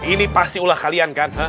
ini pasti ulah kalian kan